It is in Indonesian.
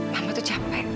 mama tuh capek